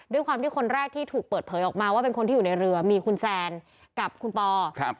ด้วยความที่คนแรกที่ถูกเปิดเผยออกมาว่าเป็นคนที่อยู่ในเรือมีคุณแซนกับคุณปอครับ